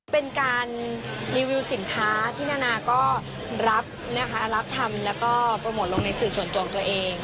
เป็นการรีวิวสินค้าที่นานาก็รับนะคะรับทำแล้วก็โปรโมทลงในสื่อส่วนตัวของตัวเอง